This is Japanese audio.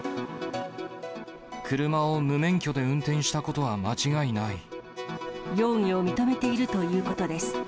車を無免許で運転したことは容疑を認めているということです。